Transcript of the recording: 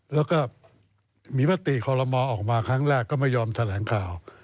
แล้วก็มีมติคอลโลมอออกมาครั้งแรกก็ไม่ยอมแถลงข่าว